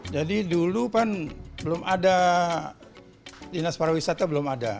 jadi dulu kan belum ada dinas para wisata belum ada